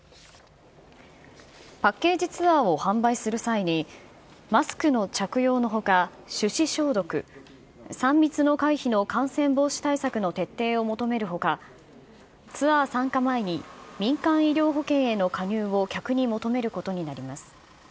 パッケージツアーを販売する際に、マスクの着用のほか、手指消毒、３密の回避の感染防止対策の徹底を求めるほか、ツアー参加前に、民間医療保険への加入を客に求めることになります。